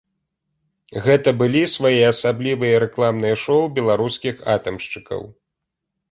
Гэта былі своеасаблівыя рэкламныя шоу беларускіх атамшчыкаў.